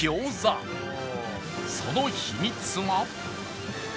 その秘密が